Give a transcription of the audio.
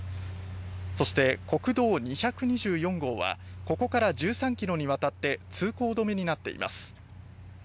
そして国道２２４号はここから１３ｋｍにわたって通行止めになっています。